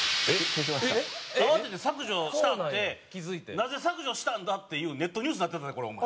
「慌てて削除した」って「なぜ削除したんだ？」っていうネットニュースになってたでこれお前。